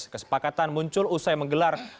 kesepakatan muncul usai menggelar